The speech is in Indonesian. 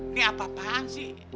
ini apa apaan sih